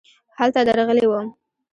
هلته درغلې وم .